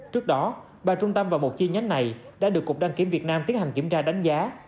trước đó ba trung tâm và một chi nhánh này đã được cục đăng kiểm việt nam tiến hành kiểm tra đánh giá